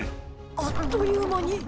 あっという間に。